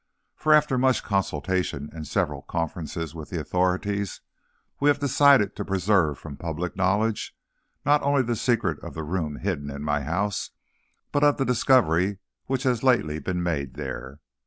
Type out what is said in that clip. For after much consultation and several conferences with the authorities, we have decided to preserve from public knowledge, not only the secret of the room hidden in my house, but of the discovery which has lately been made there.